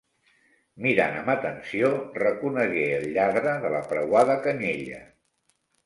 Mirant amb atenció, reconegué el lladre de la preuada canyella.